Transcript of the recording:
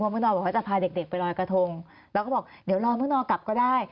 พวกมึงนอบอกว่าจะพาเด็กเด็กไปรอยกระทงแล้วก็บอกเดี๋ยวรอมึงนอกลับก็ได้